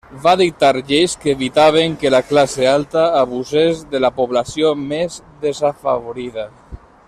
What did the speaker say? Va dictar lleis que evitaven que la classe alta abusés de la població més desafavorida.